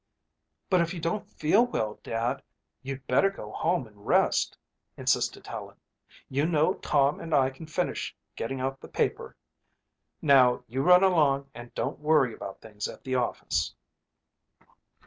"But if you don't feel well, Dad, you'd better go home and rest," insisted Helen. "You know Tom and I can finish getting out the paper. Now you run along and don't worry about things at the office."